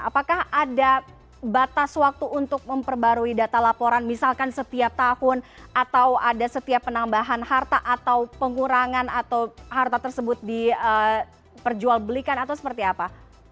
apakah ada batas waktu untuk memperbarui data laporan misalkan setiap tahun atau ada setiap penambahan harta atau pengurangan atau harta tersebut diperjualbelikan atau seperti apa